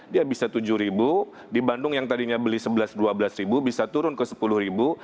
dia bisa rp tujuh di bandung yang tadinya beli rp sebelas rp dua belas bisa turun ke rp sepuluh